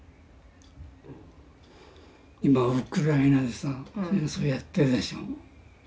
今ウクライナでさ戦争やってるでしょ。